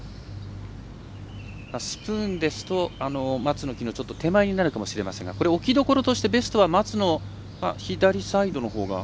スプーンですと松の木の手前になるかもしれませんがこれ置き所としてベストは松の左サイドのほうが。